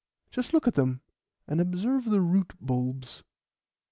Just look at them, and observe the root bulbs."